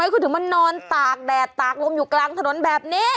คุณถึงมานอนตากแดดตากลมอยู่กลางถนนแบบนี้